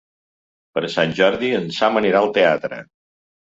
Per Sant Jordi en Sam anirà al teatre.